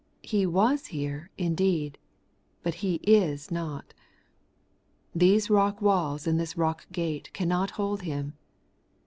He was here, indeed ; but He is not. These rock walls and this rock gate cannot hold Him.